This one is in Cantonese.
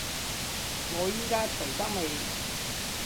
我依家除得未？